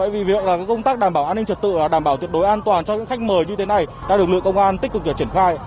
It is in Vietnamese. vì việc là công tác đảm bảo an ninh trật tự đảm bảo tuyệt đối an toàn cho những khách mời như thế này đã được lựa công an tích cực để triển khai